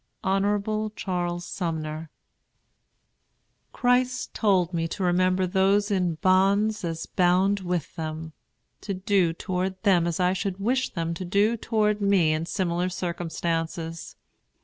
HON. CHARLES SUMNER. Christ told me to remember those in bonds as bound with them; to do toward them as I should wish them to do toward me in similar circumstances.